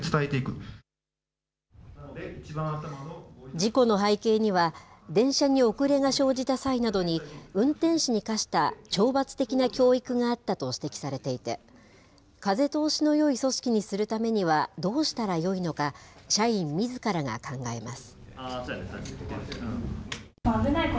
事故の背景には、電車に遅れが生じた際などに運転士に課した懲罰的な教育があったと指摘されていて、風通しのよい組織にするためにはどうしたらよいのか、社員みずからが考えます。